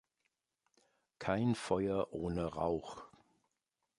Kein Feuer ohne Rauch.